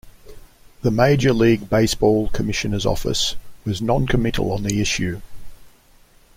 The Major League Baseball commissioner's office was noncommittal on the issue.